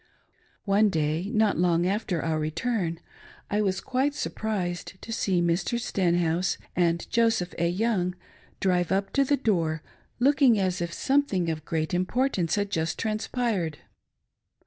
,ir. One day, not long after our return, I was quite surprised, to see Mr. Stenhouse and Joseph A. Young drive up to the door, looking as if something of great importance had just transpired.